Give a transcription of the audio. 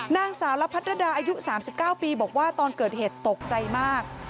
นางสารพัดระดาอายุ๓๙ปีบอกว่าตอนเกิดเหตุตกใจมาก